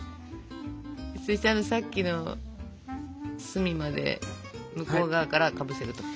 そしてさっきの隅まで向こう側からかぶせると。